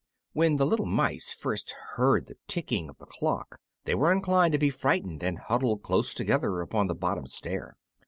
When the little mice first heard the ticking of the clock they were inclined to be frightened, and huddled close together upon the bottom stair.